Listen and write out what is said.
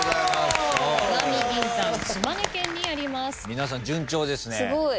皆さん順調ですね。